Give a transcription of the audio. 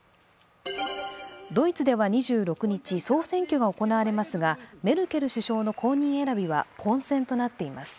ドイツでは２６日、総選挙が行われますが、メルケル首相の後任選びは混戦となっています。